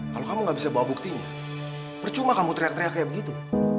kalau kamu gak bisa bawa buktinya percuma kamu teriak teriak kayak begitu